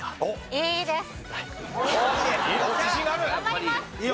いいですよ。